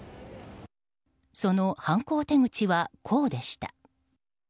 その犯行手口はこうでした。